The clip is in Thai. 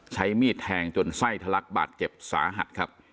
ใช้มีดแทงจนไส้ทะลักบาดเจ็บสาหัสครับ